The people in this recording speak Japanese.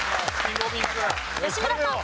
吉村さん。